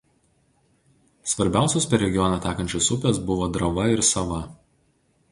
Svarbiausios per regioną tekančios upės buvo Drava ir Sava.